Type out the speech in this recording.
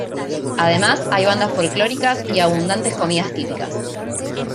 Además, hay bandas folclóricas y abundantes comidas típicas.